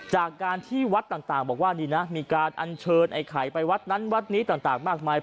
จากการที่วัดต่างบอกว่านี่นะมีการอัญเชิญไอ้ไข่ไปวัดนั้นวัดนี้ต่างมากมาย